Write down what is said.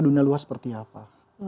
dunia luas seperti apa